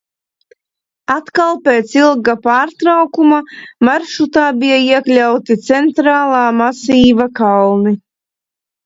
Atkal pēc ilga pārtraukuma maršrutā bija iekļauti Centrālā masīva kalni.